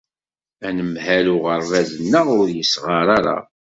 Anemhal uɣerbaz-nneɣ ur yesɣar ara.